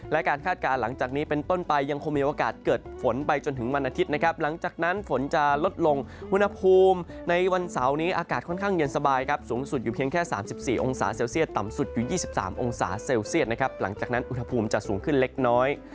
และการคาดการณ์หลังจากนี้เป็นต้นไปยังคงมีโอกาสเกิดฝนไปจนถึงวันอาทิตย์นะครับหลังจากนั้นฝนจะลดลงอุณหภูมิในวันเสาร์นี้อากาศค่อนข้างเย็นสบายครับสูงสุดอยู่เพียงแค่๓๔องศาเซลเซียตต่ำสุดอยู่๒๓องศาเซลเซียตนะครับหลังจากนั้นอุณหภูมิจะสูงขึ้นเล็กน้อย